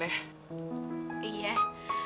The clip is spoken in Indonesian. jadi kakak adik ya ken